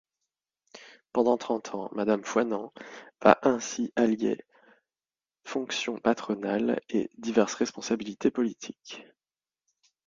Pendant trente ans, Madame Foinant va ainsi allier fonctions patronales et diverses responsabilités politiques.